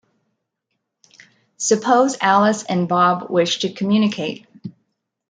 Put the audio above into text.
Suppose Alice and Bob wish to communicate.